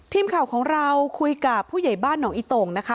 ทีมข่าวของเราคุยกับผู้ใหญ่บ้านหนองอีตงนะคะ